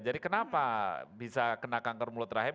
jadi kenapa bisa kena kanker mulut rahim